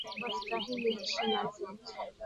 Wastahili heshima zote.